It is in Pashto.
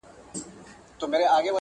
د چا خبرو ته به غوږ نه نيسو.